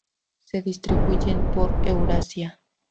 Se distribuyen por Eurasia.